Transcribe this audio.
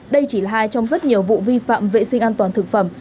đây chỉ là hai trong rất nhiều vụ vi phạm vệ sinh an toàn thực phẩm